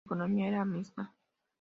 La economía era mixta.